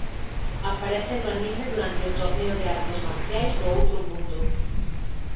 Aparece no anime durante o torneo de artes marciais do outro mundo.